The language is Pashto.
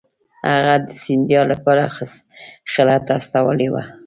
هغه د سیندیا لپاره خلعت استولی وو.